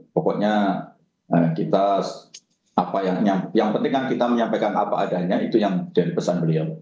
pokoknya yang penting kita menyampaikan apa adanya itu yang dari pesan beliau